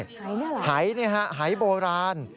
หายนี่แหละหายนี่ฮะหายโบราณ